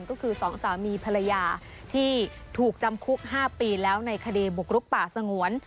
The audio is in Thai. ก็คือสองสามีภรรยาที่ถูกจำคุก๕ปีแล้วในคดีบุกรุกป่าสงวน